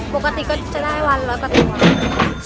ปกติก็จะได้วันร้อยกว่าตัว